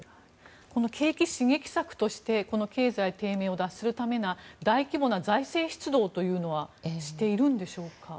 この景気刺激策として経済低迷を脱するための大規模な財政出動というのはしているんでしょうか。